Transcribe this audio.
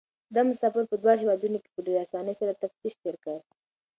دا مسافر په دواړو هېوادونو کې په ډېرې اسانۍ سره تفتيش تېر کړ.